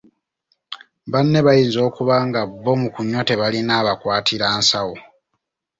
Banne bayinza okuba nga bo mu kunywa tebalina abakwatira nsawo.